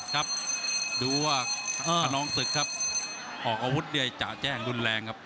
ครับดูว่าขนองศึกครับออกอาวุธเนี่ยจะแจ้งรุนแรงครับ